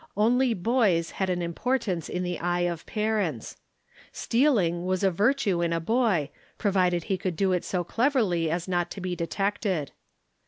Only boj s had an impor tance in the eye of parents. Stealing was a virtue in a boy, provided he could do it so cleverly as not to be detected.